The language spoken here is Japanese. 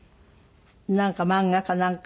なんか漫画かなんか？